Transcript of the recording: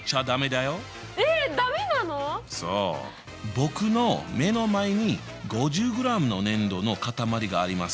僕の目の前に５０ｇの粘土のかたまりがあります。